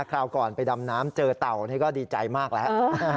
คราวก่อนไปดำน้ำเจอเต่านี่ก็ดีใจมากแล้ว